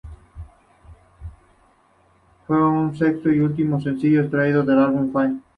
Fue el sexto y último sencillo extraído del álbum "Faith".